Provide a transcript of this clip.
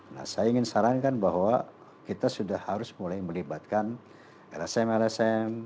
nah saya ingin sarankan bahwa kita sudah harus mulai melibatkan lsm lsm